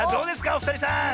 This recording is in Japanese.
おふたりさん。